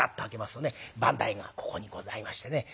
番台がここにございましてね